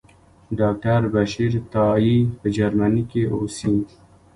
ډاکټر بشیر تائي په جرمني کې اوسي.